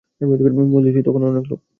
মজলিসে তখন অনেক লোক।